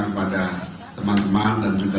kepada teman teman dan juga